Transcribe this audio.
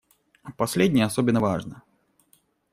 Последнее особенно важно.